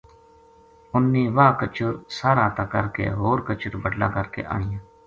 انھ نے واہ کچر ساہر ا تا کر کے ہور کچر بٹلا کر کے آنیا